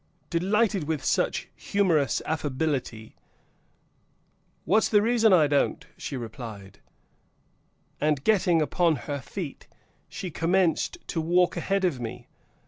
Delighted with such humorous affability, "What's the reason I don't" she replied, and getting upon her feet, she commenced to walk ahead of me.